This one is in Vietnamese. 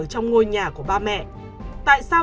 trong ngôi nhà của ba mẹ tại sao